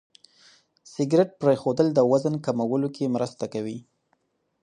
سګرېټ پرېښودل د وزن کمولو کې مرسته کوي.